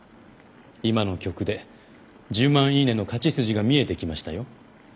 今の曲で１０万イイネの勝ち筋が見えてきましたよ。